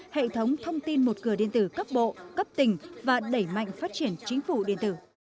hệ thống thông tin một cửa điện tử cấp bộ cấp tỉnh và đẩy mạnh phát triển chính phủ điện tử